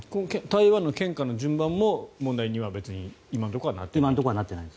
台湾の献花の順番も問題には今のところなってない？